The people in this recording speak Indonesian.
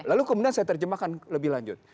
lalu kemudian saya terjemahkan lebih lanjut